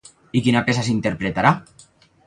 I quina peça s'interpretarà?